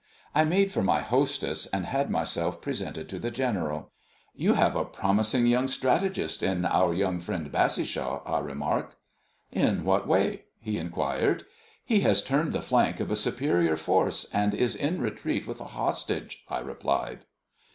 I made for my hostess, and had myself presented to the general. "You have a promising young strategist in our young friend Bassishaw," I remarked. "In what way?" he inquired. "He has turned the flank of a superior force, and is in retreat with a hostage," I replied.